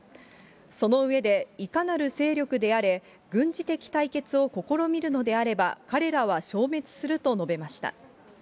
その上で、いかなる勢力であれ、軍事的対決を試みるのであれば、彼らは消滅すると述べました。